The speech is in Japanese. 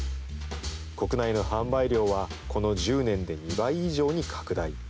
国内の販売量は、この１０年で２倍以上に拡大。